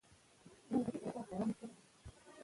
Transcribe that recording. سلیمان غر د افغانانو د معیشت سرچینه ده.